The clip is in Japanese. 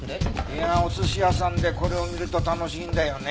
いやお寿司屋さんでこれを見ると楽しいんだよね。